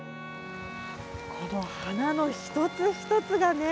この花の一つ一つがね